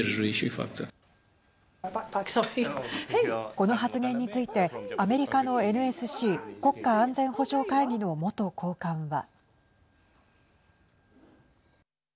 この発言についてアメリカのＮＳＣ＝国家安全保障会議の元高官は。